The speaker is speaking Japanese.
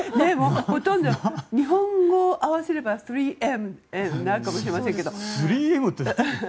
ほとんど日本語を合わせれば３Ｍになるかもしれませんが。